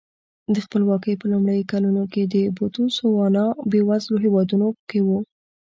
د خپلواکۍ په لومړیو کلونو کې بوتسوانا بېوزلو هېوادونو کې و.